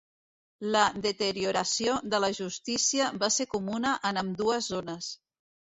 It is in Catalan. La deterioració de la justícia va ser comuna en ambdues zones.